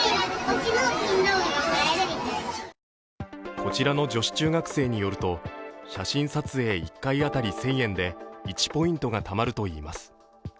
こちらの女子中学生によると写真撮影１回当たり１０００円で１ポイントがたまるといいます。